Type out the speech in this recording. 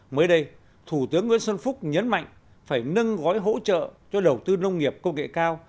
mới đây thủ tướng nguyễn xuân phúc nhấn mạnh phải nâng gói hỗ trợ cho đầu tư nông nghiệp công nghệ cao